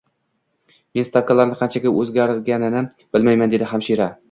Men stavkalarni qanchaga o`zgarganini bilmayman, dedi hamshira